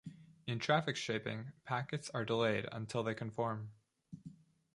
In traffic shaping, packets are delayed until they conform.